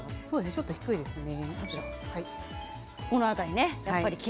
ちょっと低いですね。